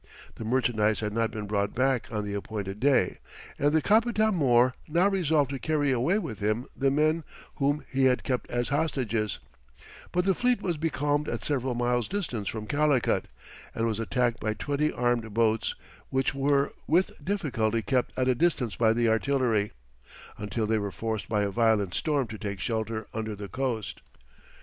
The merchandise had not been brought back on the appointed day, and the Capitam mõr now resolved to carry away with him the men whom he had kept as hostages, but the fleet was becalmed at several miles distance from Calicut, and was attacked by twenty armed boats, which were with difficulty kept at a distance by the artillery, until they were forced by a violent storm to take shelter under the coast.